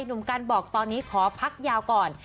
หนุ่มกันบอกตอนนี้ขอพักยาวก่อน